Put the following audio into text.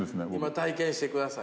体験してください。